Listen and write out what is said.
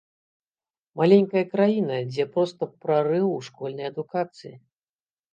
Маленькая краіна, дзе проста прарыў у школьнай адукацыі.